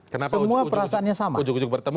kenapa ujug ujug bertemu